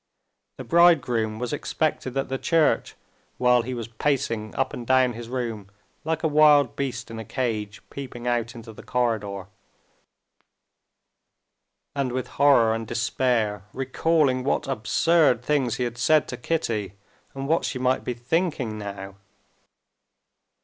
The bridegroom was expected at the church while he was pacing up and down his room like a wild beast in a cage, peeping out into the corridor, and with horror and despair recalling what absurd things he had said to Kitty and what she might be thinking now.